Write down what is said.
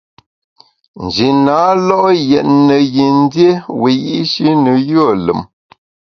Nji na lo’ yètne yin dié wiyi’shi ne yùe lùm.